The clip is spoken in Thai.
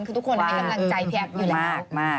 คือทุกคนให้กำลังใจพี่แอฟอยู่แล้ว